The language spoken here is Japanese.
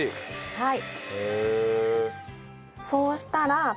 はい。